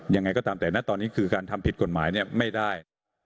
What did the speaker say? ยังไงก็ตามแต่นะตอนนี้คือการทำผิดกฎหมายไม่ได้